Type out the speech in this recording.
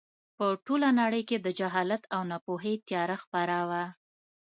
په ټوله نړۍ کې د جهالت او ناپوهۍ تیاره خپره وه.